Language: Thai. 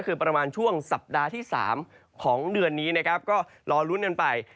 คือประมาณช่วงสัปดาห์ที่๓ของเดือนนี้นะครับก็รอลุ้นกันไป